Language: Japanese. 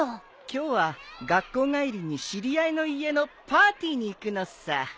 今日は学校帰りに知り合いの家のパーティーに行くのさ。